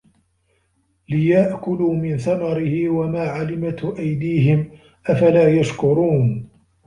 لِيَأكُلوا مِن ثَمَرِهِ وَما عَمِلَتهُ أَيديهِم أَفَلا يَشكُرونَ